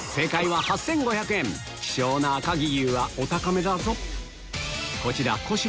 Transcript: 希少な赤城牛はお高めだぞこちら小芝